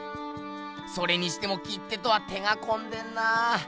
それにしても切手とは手がこんでんなぁ。